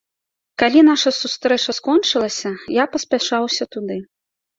Калі наша сустрэча скончылася, я паспяшаўся туды.